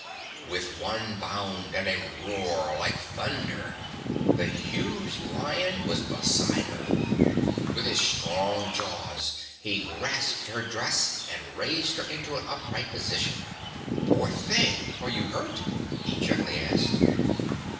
With one bound and a roar like thunder the huge Lion was beside her. With his strong jaws he grasped her dress and raised her into an upright position. "Poor thing! Are you hurt?" he gently asked.